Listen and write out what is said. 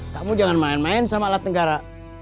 kamu jangan main main sama alat negara